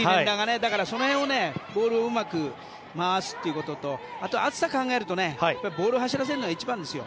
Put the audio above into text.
だから、その辺をボールをうまく回すということとあとは暑さを考えるとボールを走らせるのが一番ですよ。